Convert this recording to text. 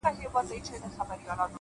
نه لري هيـڅ نــنــــگ _